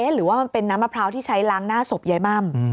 หรือว่ามันเป็นน้ำมะพร้าวที่ใช้ล้างหน้าศพยายม่ำ